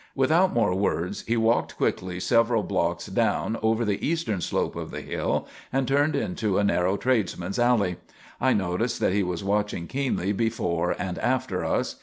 Without more words, he walked quickly several blocks down over the eastern slope of the hill and turned into a narrow tradesman's alley. I noticed that he was watching keenly before and after us.